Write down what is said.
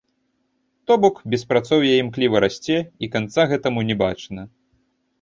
То бок, беспрацоўе імкліва расце, і канца гэтаму не бачна.